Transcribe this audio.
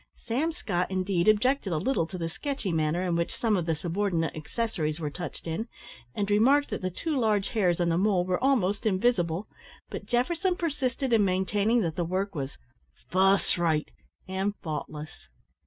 Sam Scott, indeed, objected a little to the sketchy manner in which some of the subordinate accessories were touched in, and remarked that the two large hairs on the mole were almost invisible; but Jefferson persisted in maintaining that the work was "fuss rate," and faultless.